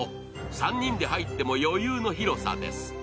３人で入っても余裕の広さです。